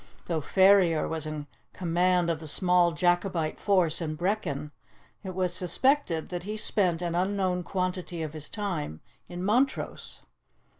Though Ferrier was in command of the small Jacobite force in Brechin, it was suspected that he spent an unknown quantity of his time in Montrose.